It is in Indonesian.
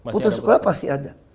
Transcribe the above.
putus sekolah pasti ada